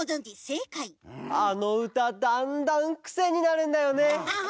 あのうただんだんくせになるんだよね。